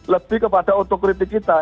lebih kepada untuk kritik kita